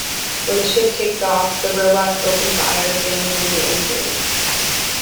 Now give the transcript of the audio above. When the ship takes off, the robots' open fire, damaging the engines.